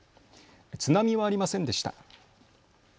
津波はありませんでした。